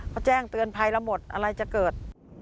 เขาแจ้งเตือนภัยเราหมดอะไรจะเกิด